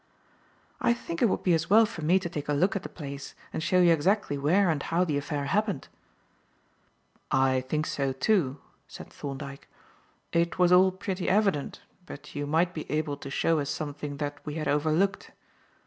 "I think it would be as well for me to take a look at the place and show you exactly where and how the affair happened." "I think so too," said Thorndyke. "It was all pretty evident, but you might be able to show us something that we had overlooked.